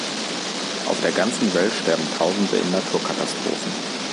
Auf der ganzen Welt sterben Tausende in Naturkatastrophen.